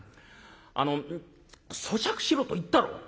あのそしゃくしろと言ったろ。